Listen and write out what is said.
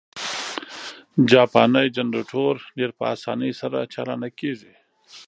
جاپانی جنرټور ډېر په اسانۍ سره چالانه کېږي.